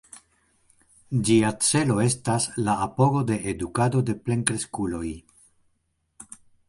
Ĝia celo estas la apogo de edukado de plenkreskuloj.